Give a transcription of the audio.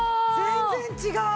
全然違う！